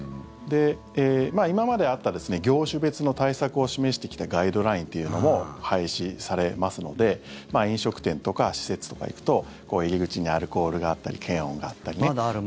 今まであった業種別の対策を示してきたガイドラインっていうのも廃止されますので飲食店とか施設とか行くと入口にアルコールがあったりまだある、まだある。